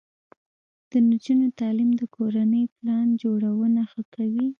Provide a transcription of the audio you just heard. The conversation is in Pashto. د نجونو تعلیم د کورنۍ پلان جوړونه ښه کوي.